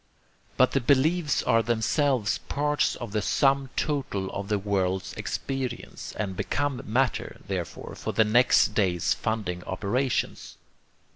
But the beliefs are themselves parts of the sum total of the world's experience, and become matter, therefore, for the next day's funding operations.